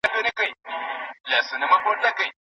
د مجردانو شمېرې ولي مهمې وې؟